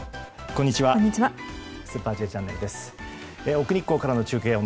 こんにちは。